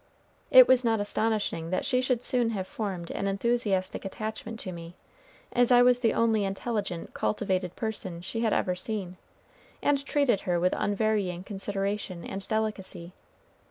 It was not astonishing that she should soon have formed an enthusiastic attachment to me, as I was the only intelligent, cultivated person she had ever seen, and treated her with unvarying consideration and delicacy.